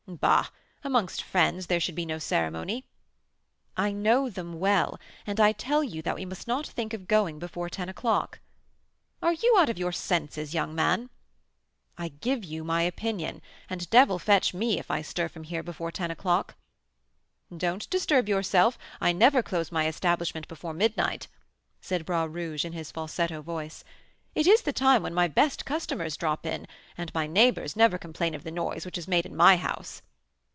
"Bah! amongst friends there should be no ceremony." "I know them well, and I tell you that we must not think of going before ten o'clock." "Are you out of your senses, young man?" "I give you my opinion, and devil fetch me if I stir from here before ten o'clock." "Don't disturb yourself, I never close my establishment before midnight," said Bras Rouge, in his falsetto voice; "it is the time when my best customers drop in; and my neighbours never complain of the noise which is made in my house."